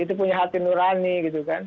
itu punya hati nurani gitu kan